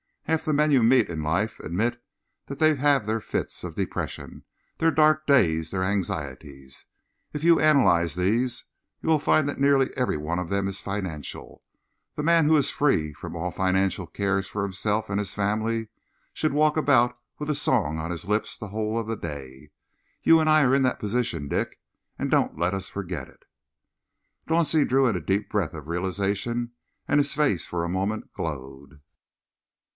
Half the men you meet in life admit that they have their fits of depression, their dark days, their anxieties. If you analyse these, you will find that nearly every one of them is financial. The man who is free from all financial cares for himself and his family should walk about with a song on his lips the whole of the day. You and I are in that position, Dick, and don't let us forget it." Dauncey drew in a deep breath of realisation, and his face for a moment glowed.